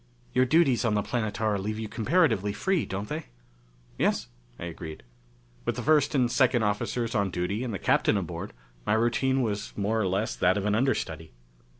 Your duties on the Planetara leave you comparatively free, don't they?" "Yes," I agreed. With the first and second officers on duty, and the Captain aboard, my routine was more or less that of an understudy.